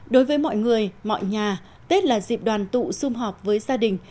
đối với mọi người mọi nhà tết là dịp đoàn tụ xung họp với gia đình